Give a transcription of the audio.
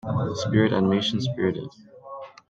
Spirit animation Spirited.